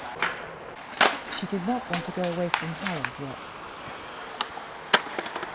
She did not want to go away from Harold yet.